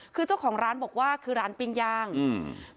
คือเจ้าของร้านบอกว่าคือร้านปิ้งย่างอืม